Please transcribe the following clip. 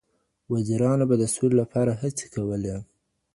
وزیرانو به د سولي لپاره هڅي کولې.